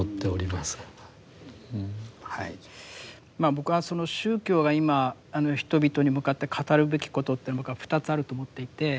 僕は宗教が今人々に向かって語るべきことって僕は２つあると思っていて。